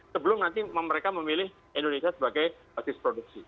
sebelum nanti mereka memilih indonesia sebagai basis produksi